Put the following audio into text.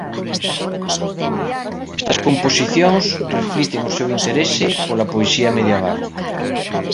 Estas composicións reflicten o seu interese pola poesía medieval.